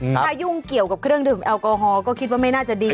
ถ้ายุ่งเกี่ยวกับเครื่องดื่มแอลกอฮอลก็คิดว่าไม่น่าจะดี